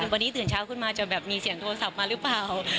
วันนี้ตื่นเช้าขึ้นมาจะแบบมีเสียงโทรศัพท์มาหรือเปล่า